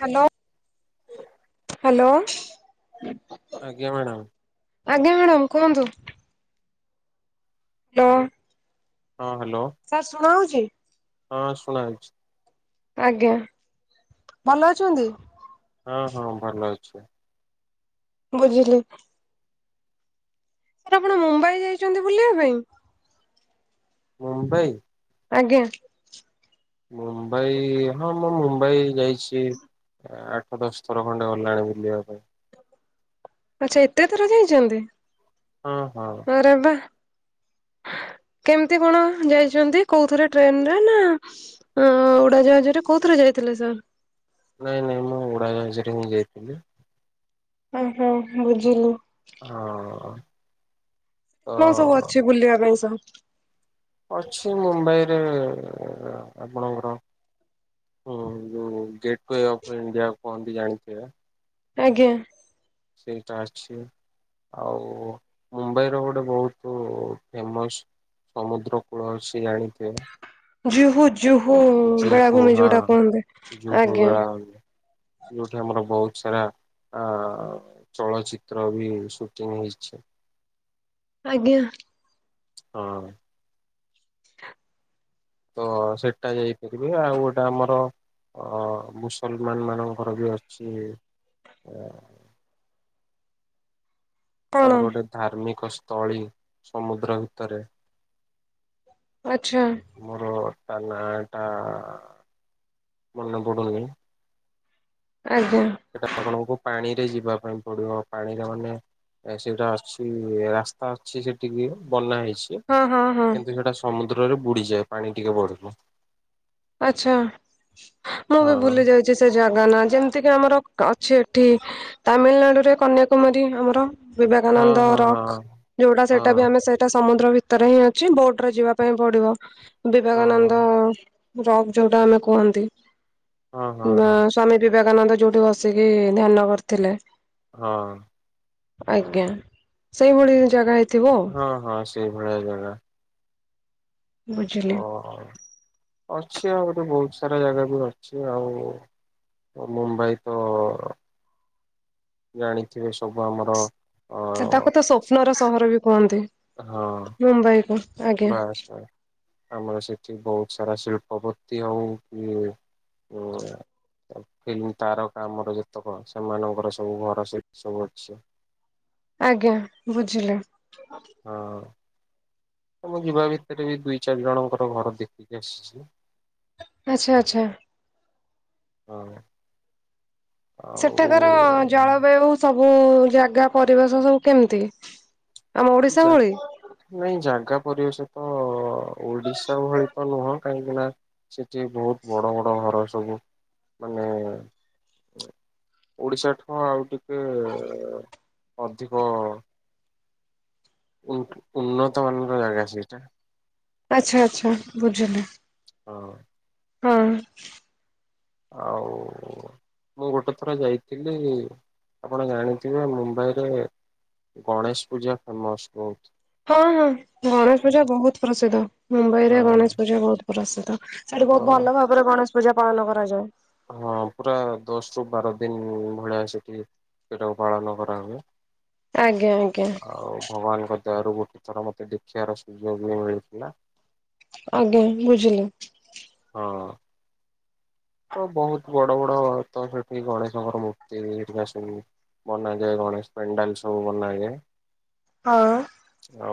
Hello hello. ଆଜ୍ଞା madam. ଆଜ୍ଞା madam କୁହନ୍ତୁ? ହ୍ୟାଲୋ। ହଁ ହ୍ୟାଲୋ। ସାର୍ ଶୁଣା ହଉଚି? ହଁ ଶୁଣା ହଉଚି। ଆଜ୍ଞା ଭଲ ଅଛନ୍ତି? ହଁ ହଁ ଭଲ ଅଛି। ବୁଝିଲି। [unintelligible] ଆପଣ ମୁମ୍ବାଇ ଯାଇଚନ୍ତି ବୁଲିବା ପାଇଁ? ମୁମ୍ବାଇ? ଆଜ୍ଞା। ମୁମ୍ବାଇ ହଁ ମୁଁ ମୁମ୍ବାଇ ଯାଇଛି। ଆଠ ଦଶ ଥର ଖଣ୍ଡେ ଗଲାଣି ବୁଲିବା ପାଇଁ‌। ଆଚ୍ଛା ଏତେ ଥର ଯାଇଚନ୍ତି? ହଁ ହଁ! ଆରେ ବା। କେମ୍ତି କଣ ଯାଇଚନ୍ତି କୋଉଥିରେ ଟ୍ରେନରେ ନା ଅଁ ଉଡାଜାହାଜରେ କୋଉଥିରେ ଯାଇଥିଲେ ସାର୍? ନାଇଁ ନାଇଁ ମୁଁ ଉଡାଜାହାଜରେ ମୁଁ ଯାଇଥିଲି। ଓହୋ ମୁଁ ବୁଝିଲି। ହଁ! ତ କଣ ସବୁ ଅଛି ବୁଲିବା ପାଇଁ ସବୁ? ଅଛି ମୁମ୍ବାଇରେ ଆପଣଙ୍କର ହୁଁ ଯୋଉ ଗେଟ୍ କ ଅଫ୍ ଇଣ୍ଡିଆ କୁହନ୍ତି ଜାଣିଥିବେ। ଆଜ୍ଞା। ସେଇଟା ଅଛି। ଆଉ ମୁମ୍ବାଇର ଗୋଟେ ବହୁତୁ ଫେମସ୍ ସମୁଦ୍ର କୂଳ ଜାଣିଥିବ। ଜୁହୁ ଜୁହୁ ଜୁହୁ ବେଳାଭୂମି ହଁ ଯୋଉଟା କୁହନ୍ତେ। ଯୋଉ ଆଜ୍ଞା! ବେଳାଭୂମି ଯୋଉଠି ଆମର ବହୁତ୍ ସାରା ଆ ଚଳଚିତ୍ର ବି ସୁଟିଂ ହେଇଛି। ଆଜ୍ଞା। ହଁ! ତ ସେଟା ଯାଇପାରିବେ ଆଉ ଗୋଟେ ଆମର ଅ ମୁସଲମାନ ମାନଙ୍କର ବି ଅଛି ଅ କଣ ତାଙ୍କର ଗୋଟେ ଧାର୍ମିକ ସ୍ଥଳୀ ସମୁଦ୍ର ଭିତରେ। ଆଛା। ମୋର ତା ନାଁ ଟା ମନେ ପଡୁନି ଆଜ୍ଞା। ସେଟା ଆପଣଙ୍କୁ ପାଣିରେ ଯିବା ପାଇଁ ପଡିବ ପାଣିରେ ମାନେ ଏ ସେଇଟା ଅଛି ରାସ୍ତା ଅଛି ସେଠିକି ବନା ହେଇଛି। ହଁ ହଁ ହଁ କିନ୍ତୁ ସେଟା ସମୁଦ୍ରରେ ବୁଡିଯାଏ ପାଣି ଟିକେ ବଢିଲେ। ଆଛା ମୁଁ ବି ହଁ ବୁଲି ଯାଇ ଜେ ସେ ଜାଗା ନା ଯେମିତି କିି ଆମର ଅଛି ଏଠି ତାମିଲନାଡୁରେ କନ୍ୟାକୁମାରୀ ଆମର ହଁ ବିବେକାନନ୍ଦ ହଁ ରକ୍ ଯୋଉଟା ହଁ ସେଇଟା ବି ଆମେ ସେ ଏଟା ସମୁଦ୍ର ଭିତରେ ହିଁ ଅଛି ବୋଟରେ ଯିବା ପାଇଁ ପଡିବ ହଁ ବିବେକାନନ୍ଦ ରକ୍ ଯୋଉଟା ଆମେ କୁହନ୍ତି ହଁ ହଁ ହଁ କିମ୍ବା ହଁ। ସ୍ଵାମୀ ବିବେକାନନ୍ଦ ଯୋଉଠି ବସିକି ଧ୍ୟାନ କରିଥିଲେ। ହଁ। ଆଜ୍ଞା ସେଇଭଳି ଜାଗା ହେଇ ହଁ ହଁ ସେଇଭଳିଆ ଜାଗା। ବୁଝିଲି। ଓ। ଅଛି ଆଉ ଗୋଟେ ବହୁତ ସାରା ଜାଗାବି ଅଛି ଆଉ। ଅ ମୁମ୍ବାଇ ତ ଜାଣିଥିବେ ସବୁ ଆମର ଅ ସେଟାକୁ ତ ସ୍ୱପ୍ନର ସହର ବି କୁହନ୍ତି ହଁ ମୁମ୍ବାଇ କୁ ଆଜ୍ଞା। ବାସ୍ ବାସ୍ ଆମର ସେଠି ବହୁତ ସାରା ଶଳ୍ପପତି ହଉ କି ଉ ଫିଲ୍ମ ତାରକା ଆମର ଯେତେକ ସେମାନଙ୍କର ସବୁ ଘର ସେଇଠି ସବୁ ଅଛି। ଆଜ୍ଞା ବୁଝିଲୁ। ହଁ। ତ ମୁଁ ଯିବା ଭିତରେ ବି ଦୁଇ ଚାରି ଜଣଙ୍କର ଘର ଦେଖିକି ଆସିଛି। ଆଚ୍ଛା ଆଚ୍ଛା। ହଁ। ସେଠାକାର ଆଉ ଜଳବାୟୁ ସବୁ ଜାଗା ପରିବେଶ ସବୁ କେମିତି? ଆମ ଓଡିଶା ଯା ଭଳି ନାଇଁ ଜାଗା ପରିବେଶ ତ ଓଡିଶା ଭଳି ତ ନୁହଁ କାହିଁକି ନା ସେଠି ବହୁତ ବଡ ବଡ ଘର ସବୁ ମାନେ ଓଡିଶା ଠୁ ଆଉ ଟିକେ ଅଧିକ ଉନ୍ନତ ମାନର ଜାଗା ସେଇଠା। ଆଚ୍ଛା ଆଚ୍ଛା ବୁଝିଲି ହଁ ହଁ। ଆଉ ମୁଁ ଗୋଟେ ଥର ଯାଇଥିଲି ଆପଣ ଜାଣିଥିବେ ମୁମ୍ବାଇରେ ଗଣେଶ ପୂଜା ଫେମସ ବହୁତ। ହଁ ହଁ ଗଣେଶ ପୂଜା ବହୁତ ପ୍ରସିଦ୍ଧ ମୁମ୍ବାଇ ରେ ହଁ ଗଣେଶ ପୂଜା ବହୁତ ପ୍ରସିଦ୍ଧ ସେଠି ତ ବହୁତ ଭଲ ଭାବରେ ଗଣେଶ ପୂଜା ପାଳନ କରାଯାଏ। ହଁ ପୁରା ଦଶରୁ ବାର ଦିନ ଭଳିଆ ସେଠି ସେଟାକୁ ପାଳନ କରାହୁଏ। ଆଜ୍ଞା ଆଜ୍ଞା। ଆଉ ଭଗବାନଙ୍କ ଦୟା ରୁ ଗୋଟେ ଥର ମତେ ଦେଖିବାର ସୁଯୋଗ ବି ମିଳିଥିଲା। ଆଜ୍ଞା ବୁଝିଲି। ହଁ। ତ ବହୁତ ବଡ ବଡ ତ ସେଠି ଗଣେଶଙ୍କର ମୂର୍ତ୍ତି ହେରିକା ସବୁ ବନା ଯାଏ ଗଣେଶ ପେଣ୍ଡାଲ ସବୁ ବନା ଯାଏ। ହଁ। ଆଉ।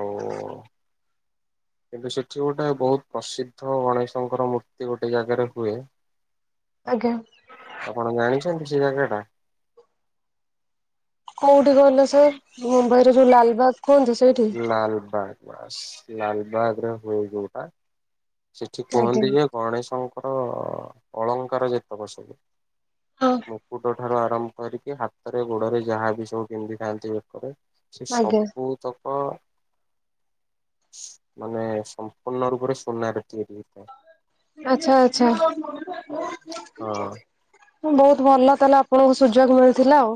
କିନ୍ତୁ ସେଠି ଗୋଟେ ବହୁତ ପ୍ରସିଦ୍ଧ ଗଣେଶଙ୍କର ମୂର୍ତ୍ତି ଗୋଟେ ଜାଗାରେ ହୁଏ। ଆଜ୍ଞା। ଆପଣ ଜାଣିଛନ୍ତି ସେ ଜାଗା ଟା? କୋଉଠି କହିଲ ସେ ମୁମ୍ବାଇ ର ଯୋଉ ଲାଲବାଗ। କୁହନ୍ତୁ ସେଇଠି? ଲାଲବାଗ ବାସ୍ ଲାଲବାଗ ରେ ହୁଏ ଯୋଉଟା। ସେଠି ଆଜ୍ଞା। କୁହନ୍ତି ଯେ ଗଣେଶଙ୍କର ଅଳଙ୍କାର ଯେତେକ ସବୁ ହଁ ମୁକୁଟ ଠାରୁ ଆରମ୍ଭ କରିକି ହାତରେ ଗୋଡରେ ଯାହା ବି ସବୁ ପନ୍ଧି ଥାଆନ୍ତି ବେକରେ ସେ ଆଜ୍ଞା ସବୁତକ ମାନେ ସମ୍ପୂର୍ଣ୍ଣ ରୂପରେ ସୁନାରେ ତିଆରି ହେଇଥାଏ। ଆଚ୍ଛା ଆଚ୍ଛା। ହଁ। ବହୁତ ଭଲ ତାହେଲେ ଆପଣଙ୍କୁ ସୁଯୋଗ ମିଳିଥିଲା ଆଉ।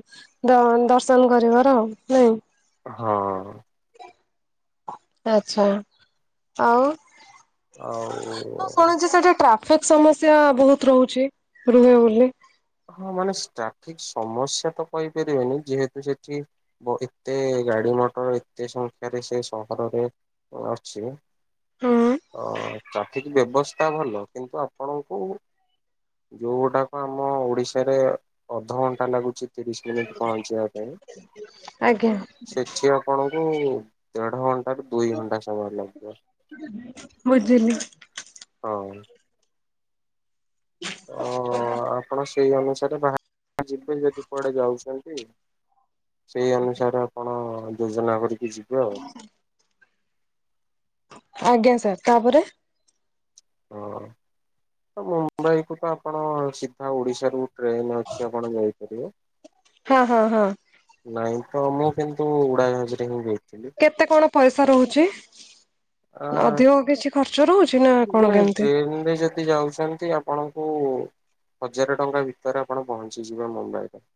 ଦ ଦର୍ଶନ କରିବାର ନାଇଁ? ହଁ। ଆଛା ଆଉ ଆଉ ମୁଁ ଶୁଣୁଛି ସେଠି ଟ୍ରାଫି କ୍ ସମସ୍ୟା ବହୁତ ରହୁଛି ରୁହେ ବୋଲି। ହଁ ମାନେ ଟ୍ରାଫିକ ସମସ୍ୟା ତ କହି ପାରିବେନି ଯେହେତୁ ସେଠି ଏତେ ଗାଡି ମଟର ଏତେ ସଂଖ୍ୟାରେ ସେ ସହରରେ ଅଛି। ହୁଁ ଅ ଟ୍ରାଫିକ ବ୍ୟବସ୍ଥା ଭଲ କିନ୍ତୁ ଆପଣଙ୍କୁ ଯୋଉ ଗୁଡାକ ଆମ ଓଡିଶାରେ ଅଧଘଣ୍ଟା ଲାଗୁଛି ତିରିଶ ମିନିଟ୍ ପହଞ୍ଚିବା ପାଇଁ। ଆଜ୍ଞା ସେଠି ଆପଣଙ୍କୁ ଦେଢ ଘଣ୍ଟା ରୁ ଦୁଇ ଘଣ୍ଟା ସମୟ ଲାଗିବ। ବୁଝିଲି। ହଁ। ତ ଆପଣ ସେଇ ଅନୁସାରେ ବାହାରି ଯିବେ ଯଦି କୁଆଡେ ଯାଉଛନ୍ତି। ସେଇ ଅନୁସାରେ ଆପଣ ଯୋଜନା କରିକି ଯିବେ ଆଉ। ଆଜ୍ଞା ସାର୍ ତାପରେ? ହଁ। ମୁମ୍ବାଇ କୁ ତ ଆପଣ ସିଧା ଓଡିଶାରୁ ଟ୍ରେନ ଅଛି ଆପଣ ଯାଇପାରିବେ। ହଁ ହଁ ହଁ। ନାଇଁ ତ ମୁଁ କିନ୍ତୁ ଉଡାଜାହାଜରେ ହିଁ ଯାଇଥିଲି। କେତେ କଣ ପଇସା ରହୁଛି ଆ ଅଧିକ କିଛି ଖର୍ଚ୍ଚ ରହୁଛି ନା କଣ କେମିତି? ଏ [unintelligible] ଯଦି ଯାଉଛନ୍ତି ଆପଣଙ୍କୁ ହଜାର ଟଙ୍କା ଭିତରେ ଆପଣ ପହଞ୍ଚିଯିବେ ମୁମ୍ବାଇରେ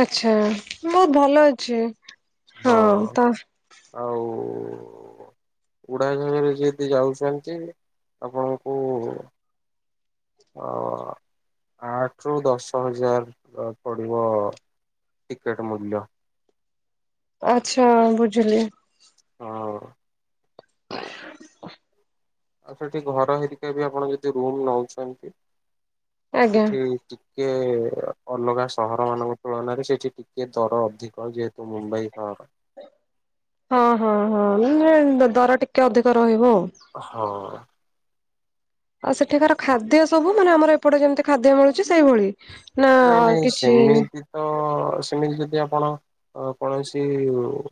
ଆଛା ବହୁତ ଭଲ ଅଛି ହଁ ତ ଆଉ ଉଡ଼ାଝାଜରେ ଯଦି ଯାଉଛନ୍ତି ଆପଣଙ୍କୁ ଓ ଆଠ ରୁ ଦଶ ହଜାରେ ପଡ଼ିବ ଟିକେଟ୍ ମୂଲ୍ୟ। ଆଚ୍ଛା ବୁଝିଲି। ହଁ। [inaudible] ଆଉ ସେଠି ଘର ହେରିକାବି ଆପଣ ଯଦି ରୁମ୍ ନଉଛନ୍ତି ଆଜ୍ଞା। ସେଠି ଟିକେ ଅଲଗା ସହର ମାନଙ୍କ ତୁଳନାରେ ସେଠି ଟିକେ ଦର ଅଧିକ ଯେହେତୁ ତ ମୁମ୍ବାଇ ସହର ହଁ ହଁ ହଁ ଦର ଟିକେ ଅଧିକ ରହିବ ଆଉ। ହଁ। ଆଉ ସେଠିକାର ଖାଦ୍ୟ ସବୁ ମାନେ ଆମର ଏପଟେ ଯେମିତି ଖାଦ୍ୟ ମିଳୁଚି ସେଇଭଳି? ନା ନାଇଁ ନାଇଁ କିଛି ସେମିତି ତ ସେମିତି ଯଦି ଆପଣ ଅ କୌଣସି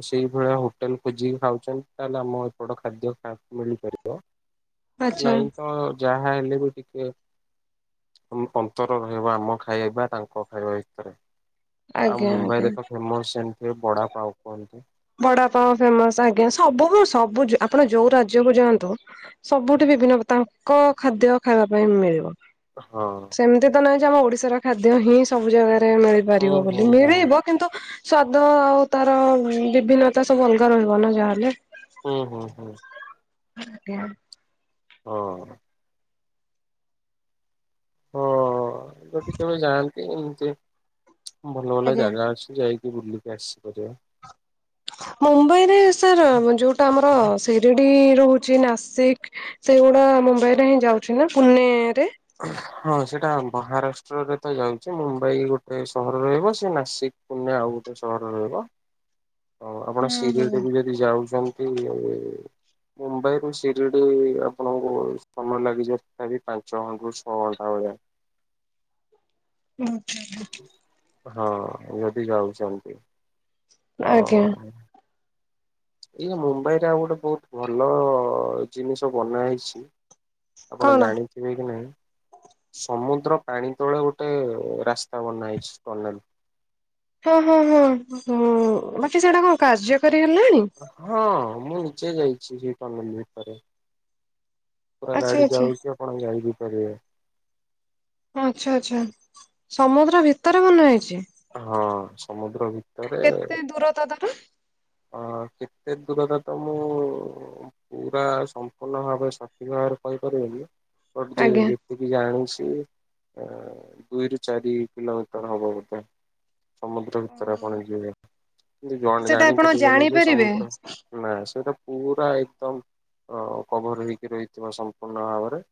ସେଇଭଳିଆ ହୋଟେଲ୍ ଖୋଜିକି ଖାଉଚନ୍ତି ତାହେଲେ ଆମ ବଡ଼ ଖାଦ୍ୟ ଖାଇକୁ ମିଳିପାରିବ ଆଚ୍ଛା ନାଇଁତ ଯାହା ହେଲେବି ଟିକେ ଅନ୍ତର ରହିବ ଆମ ଖାଇବା ତାଙ୍କ ଖାଇବା ଭିତରେ ଆଉ ଆଜ୍ଞା ଆଜ୍ଞା। ମୁମ୍ବାଇରେତ ଫେମସ୍ ସେ ଯୋଉ ବଡ଼ା ପାଉ କୁହନ୍ତି। ବଡ଼ପାଉ ଫେମସ୍ ଆଜ୍ଞା ସବୁ ସବୁ ଆପଣ ଯୋଉ ରାଜ୍ୟକୁୁ ଯାଆନ୍ତୁ ସବୁଠି ବିଭିନ୍ନ ତାଙ୍କ ଖାଦ୍ୟ ଖାଇବା ପାଇଁ ମିଳିବ। ହଁ। ସେମିତିତ ନାହିଁଯେ ଆମ ଓଡ଼ିଶାର ଖାଦ୍ୟ ହିଁ ସବୁ ଜାଗାରେ ହୁଁ ମିଳିପାରିବ ହୁଁ ବୋଲି ହୁଁ। ମିଳିବ କିନ୍ତୁ ସ୍ଵାଦ ଆଉ ତାର ବିଭିନ୍ନତା ସବୁ ଅଲଗା ରହିବନା ଯାହାହେଲେ ହୁଁ ହୁଁ ହୁଁ। ଆଜ୍ଞା। ହୁଁ। ହଁ ଟିକିବି ଯାଆନ୍ତି ଏମିତି ଭଲ ଭଲ ଆଜ୍ଞା। ଜାଗା ଅଛି ଯାଇ ବୁଲିକି ଆସି ପାରିବା। ମୁମ୍ବାଇରେ ସାର୍ ଯୋଉଟା ଆମର ଶିରିଡ଼ି ରହୁଚିନା ସିକ୍ ସେଇଗୁଡ଼ା ମୁମ୍ବାଇରେ ହିଁ ଯାଉଚିନା ପୁନେରେ? ହଁ ସେଇଟା ମହାରାଷ୍ଟ୍ରରେତ ଯାଉଚି ମୁମ୍ବାଇ ଗୋଟେ ସହର ରହିବ ସେ ନାସି ପୁନେ ଆଉଗୋଟେ ସହର ରହିବ। ହଁ ଆପଣ ହୁଁ ସିରିଡ଼ିବି ହୁଁ। ଯଦି ଯାଉଚନ୍ତି ଆ ମୁମ୍ବାଇରୁୁ ସିରିଡ଼ି ଆପଣଙ୍କୁ ସମୟ ଲାଗିଯବ ତଥାପି ପାଞ୍ଚ ଘଣ୍ଟାରୁ ଛଅ ଘଣ୍ଟା ଭଳିଆ ହୁଁ। ହଁ ଯଦି ଯାଉୁଚେ ଆମେବି ଆଜ୍ଞା ହଁ। ଇଏ ମୁମ୍ବାଇରେ ଆଉ ଗୋଟେ ବହୁତ୍ ଭଲ ଜିନିଷ ବନାହେଇଛି ଆପଣ କଣ ଜାଣି ଥିବେକି ନାଇଁ ସମୁଦ୍ର ପାଣି ତଳେ ଗୋଟେ ରାସ୍ତା ବନା ହେଇଚି ଟନେଲ୍। ହଁ ହଁ ହଁ ହ ବାକି ସେଟା କଣ କାର୍ଯ୍ୟକାରୀ ହେଲାଣି? ହଁ ମୁଁ ନିଜେ ଯାଇଚି ସେଇ କଲଲି ଭିତରେ। ପୁରା ଆଚ୍ଛା ଗାଡ଼ି ଆଚ୍ଛା ଯାଉଚି ଆପଣ ଯାଇବି ପାରିବେ ଆଚ୍ଛା ଆଚ୍ଛା ସମୁଦ୍ର ଭିତରେ ବନା ହେଇଚି? ହଁ, ସମୁଦ୍ର ଭିତରେ କେତେ ଦୂରତା ତାର ଅ କେତେ ଦୂରତା ତ ମୁଁ ପୁରା ସମ୍ପୂର୍ଣ୍ଣ ଭାବେ ସଠିକ ଭାବରେ କହିପାରିବେନି ବଟ ଜେ ଆଜ୍ଞା। ଟିକେ ଜାଣିଛି ଦୁଇରୁୁ ଚାରି କିଲୋମିଟର ହବ ବୋଧେ। ସମୁଦ୍ର ଭିତରେ ଓହୋ। ଆପଣ ଯିବେ କିନ୍ତୁ ସେଟା ଆପଣ ଜାଣିପାରିବେନି ଯେ ଜାଣିପାରିବେ ସମୁଦ୍ର ନା ସେଇଟା ପୁରା ଏକଦମ ଅ କଭର ହେଇକି ରହିଥିବା ସମ୍ପୂର୍ଣ୍ଣ ଭାବରେ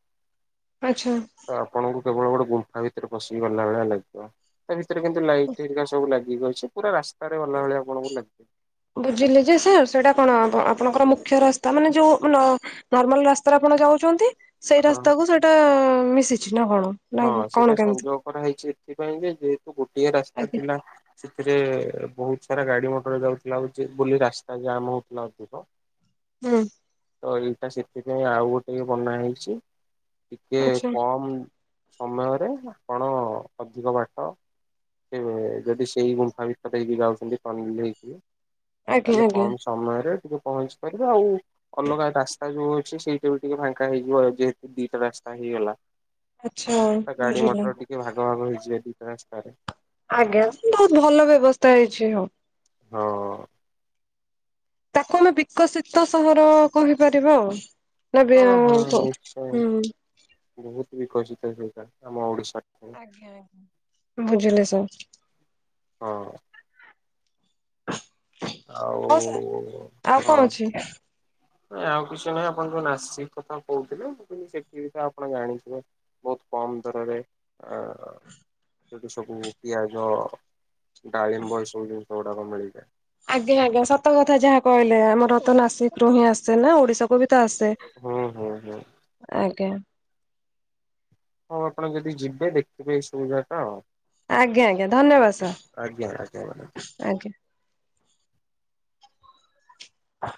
ଆଚ୍ଛା। ତ ଆପଣଙ୍କୁ କେବଳ ଗୋଟେ ଗୁମ୍ଫା ଭିତରେ ପଶିକି ଗଲା ଭଳିଆ ଲାଗିବ। ତା ଭିତରେ କିନ୍ତୁ ଲାଇଟ୍ ହୋ ସବୁ ଲାଗି ଠିକ୍ କହିଛ ପୁରା ରାସ୍ତାରେ ଭଲା ଭଳି ଆପଣଙ୍କୁ ଲାଗିବ। ବୁଝିଲି ଯେ ସାର୍ ସେଇଟା କଣ ଆପଣଙ୍କର ମୁଖ୍ୟ ରାସ୍ତା ମାନେ ଯୋଉ ମାନେ ନ ନର୍ମାଲ ରାସ୍ତାରେ ଆପଣ ଯାଉଛନ୍ତି ସେଇ ହଁ ରାସ୍ତାକୁ ସେଇଟା ମିଶିଛି ନା କଣ? ନା ହଁ ସେଇଟା କଣ କେମିତି? ସଂଯୋଗ କରାହେଇଛି ଏଥିପାଇଁ ଯେ ଯେହେତୁ ଗୋଟିଏ ରାସ୍ତା ଆଜ୍ଞା ଥିଲା। ସେଥିରେ ବହୁତ ସାରା ଗାଡି ମଟର ଯାଉଥିଲା ହଉଛି ବୋଲି ରାସ୍ତା ଜାମ୍ ହଉଥିଲା ଅଧିକ। ହୁଁ। ତ ଏଇଟା ସେଥିପାଇଁ ଆଉ ଗୋଟେ ବନା ହେଇଛି ଟିକେ ଆଚ୍ଛା କମ ସମୟରେ ଆପଣ ଅଧିକ ବାଟ ଯଦି ସେଇ ଗୁମ୍ଫା ଭିତରେ ହେଇକି ଯାଉଛନ୍ତି ଟନିଙ୍ଗ ଦେଇକି। ତା ଆଜ୍ଞା ହେଲେ ଆଜ୍ଞା କମ ସମୟରେ ଟିକେ ପହଞ୍ଚି ପାରିବେ ଆଉ ଅଲଗା ରାସ୍ତା ଯୋଉ ଅଛି ସେଇଟା ବି ଟିକେ ଫାଙ୍କା ହେଇଯିବ ଯେହେତୁ ଦିଟା ରାସ୍ତା ହେଇଗଲା। ଆଚ୍ଛା ଗାଡି ବୁଝିଲି ମଟର ଟିକେ ଭାଗ ଭାଗ ହେଇଯିବେ ଦିଟା ରାସ୍ତାରେ। ଆଜ୍ଞା, ବହୁତ ଭଲ ବ୍ୟବସ୍ଥା ହେଇଛି ହଉ। ହଁ। ତାକୁ ଆମେ ବିକଶିତ ସହର କହିପାରିବା ଆଉ। ନା ବିି ହଁ କ ହୁଁ। ବହୁତ ବିକଶିତ ହେଇଥାଏ ଆମ ଓଡିଶାରେ। ବୁଝିଲି ସାର୍। ହଁ। ହଉ ସାର୍ ଆଉ, ଆଉ ହଁ। କଣ ଅଛି ନାଇଁ ଆଉ କିଛି ନାହିଁ ଆପଣ ଯୋଉ ନାସିକ କଥା କହୁଥିଲେ ମୁଁ ସେଠି ବି ତ ଆପଣ ଜାଣିଥିବେ। ବହୁତ କମ ଦରରେ ଆ ସେଠି ସବୁ ପିଆଜ ଡାଳିମ୍ବ ଏ ସବୁ ଜିନିଷ ଗୁଡାକ ମିଳିଯାଏ। ଆଜ୍ଞା, ଆଜ୍ଞା ସତ କଥା ଯାହା କହିଲେ ଆମର ତ ନାସିକ ରୁ ହିଁ ଆସେ ନା ଓଡିଶାକୁ ବି ତ ଆସେ ହୁଁ ହୁଁ ହୁଁ ଆଜ୍ଞା ହଉ ଆପଣ ଯଦି ଯିବେ ଦେଖିବେ ଏଇ ସୁବିଧା ଟା ଆଉ ଆଜ୍ଞା, ଆଜ୍ଞା, ଧନ୍ୟବାଦ ଆଜ୍ଞା ଆଜ୍ଞା ମ୍ୟାଡ଼ାମ। ସାର୍। ଆଜ୍ଞା।